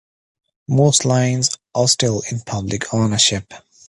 Most lines are still in public ownership.